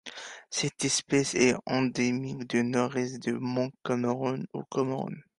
Cette espèce est endémique du Nord-Est du Mont Cameroun au Cameroun.